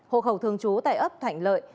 hộ khẩu thường trú tại ấp thạnh lợi